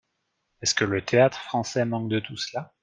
Est-ce que le Théâtre-Français manque de tout cela ?